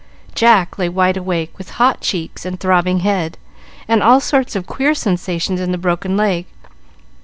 Jack lay wide awake, with hot cheeks, and throbbing head, and all sorts of queer sensations in the broken leg.